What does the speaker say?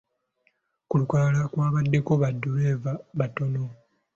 Ku lukalala kwabaddeko baddereeva bataano.